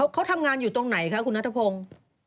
เขาทำงานอยู่ตรงไหนคะคุณนัทพงศ์